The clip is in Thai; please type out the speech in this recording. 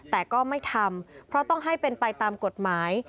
แต่ก็ไม่ทำเพราะต้องให้เป็นไปตามกฎหมาย